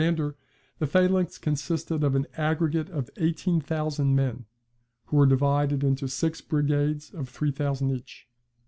] Under Alexander the phalanx consisted of an aggregate of eighteen thousand men, who were divided into six brigades of three thousand each.